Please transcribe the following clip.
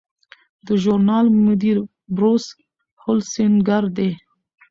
د ژورنال مدیر بروس هولسینګر دی.